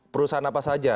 perusahaan apa saja